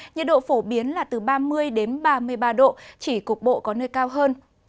nhiệt độ phổ biến là từ ba mươi đến ba mươi ba độ chỉ cục bộ có nơi cao hơn